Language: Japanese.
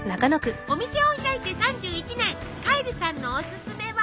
お店を開いて３１年カイルさんのおすすめは？